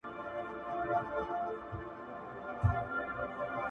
داسي کوټه کي یم چي چارطرف دېوال ته ګورم ـ